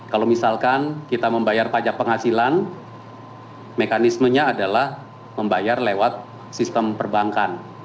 kalau misalkan kita membayar pajak penghasilan mekanismenya adalah membayar lewat sistem perbankan